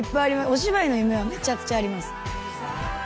お芝居の夢はめちゃくちゃあります。